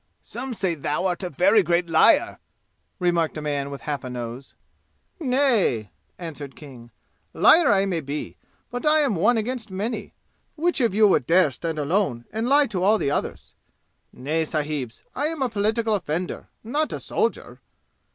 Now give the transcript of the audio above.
"Some say thou art a very great liar," remarked a man with half a nose. "Nay," answered King. "Liar I may be, but I am one against many. Which of you would dare stand alone and lie to all the others? Nay, sahibs, I am a political offender, not a soldier!"